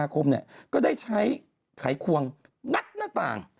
คมก็ได้ใช้ไขควงงัดหน้าต่าง